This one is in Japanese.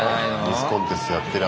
ミスコンテストやってる。